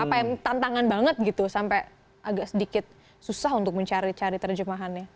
apa yang tantangan banget gitu sampai agak sedikit susah untuk mencari cari terjemahannya